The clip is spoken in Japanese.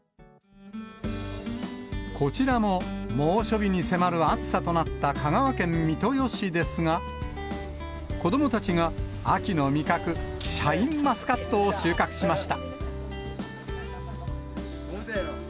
こちらも、猛暑日に迫る暑さとなった香川県三豊市ですが、子どもたちが、秋の味覚、シャインマスカットを収穫しました。